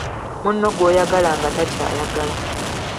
Munno gw’oyagala nga takyayagala